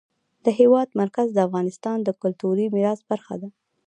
د هېواد مرکز د افغانستان د کلتوري میراث برخه ده.